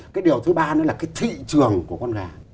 cái điều thứ ba nữa là cái thị trường của con gà